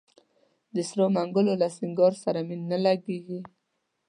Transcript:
د سرو منګولو له سینګار سره مي نه لګیږي